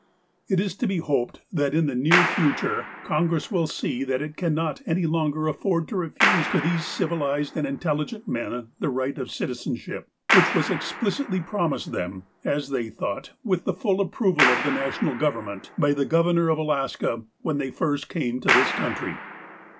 It is to be ho]Ded that in the near future Congress will see that it cannot any longer afford to refuse to these civilized and intelligent men the right of citizenship, which was explicitly promised them, as they thought, with the full approval of the national government, by the Governor of Alaska, when they first came to this country.